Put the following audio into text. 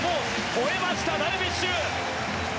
ほえました、ダルビッシュ。